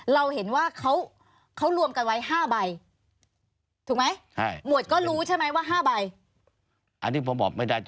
เราเห็นว่าเขารวมกันไว้๕ใบ